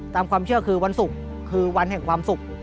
ตามความเชื่อคือวันศุกร์คือวันแห่งความสุข